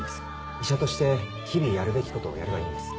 医者として日々やるべき事をやればいいんです。